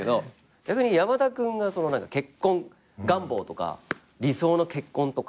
逆に山田君が結婚願望とか理想の結婚とか。